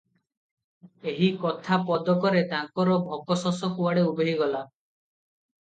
ଏହି କଥା ପଦକରେ ତାଙ୍କର ଭୋକ ଶୋଷ କୁଆଡ଼େ ଉଭେଇ ଗଲା ।